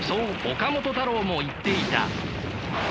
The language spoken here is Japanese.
岡本太郎も言っていた。